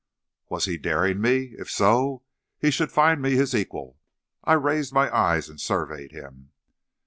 "Was he daring me? If so, he should find me his equal. I raised my eyes and surveyed him.